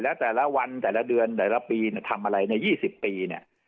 แล้วแต่ละวันแต่ละเดือนแต่ละปีทำอะไรใน๒๐ปีเนี่ย